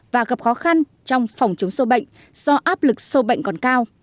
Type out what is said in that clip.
và gặp khó khăn trong phòng chống sâu bệnh do áp lực sâu bệnh còn cao